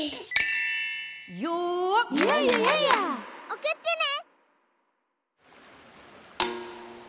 おくってね！